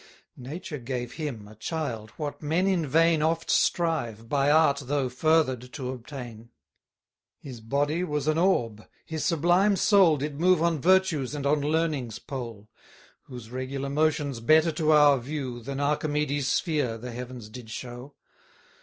Nature gave him, a child, what men in vain Oft strive, by art though further'd, to obtain. His body was an orb, his sublime soul Did move on Virtue's and on Learning's pole: Whose regular motions better to our view, Than Archimedes sphere, the Heavens did show.